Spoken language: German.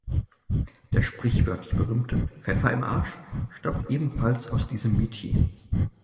Der sprichwörtlich berühmte „Pfeffer im Arsch“ stammt ebenfalls aus diesem Metier.